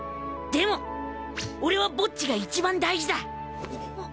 でも俺はボッジが一番大事だ。